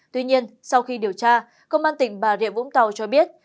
tuy nhiên sau khi điều tra công an tỉnh bà rịa vũng tàu cho biết